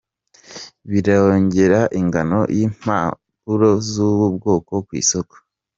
Birongera ingano y’impapuro z’ubu bwoko ku isoko.